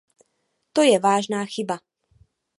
To je vážná chyba.